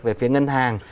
về phía ngân hàng